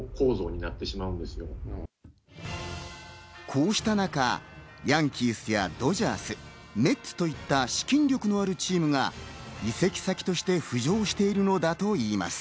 こうした中、ヤンキースやドジャース、メッツといった資金力のあるチームが移籍先として浮上しているのだといいます。